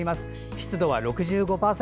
湿度は６５％。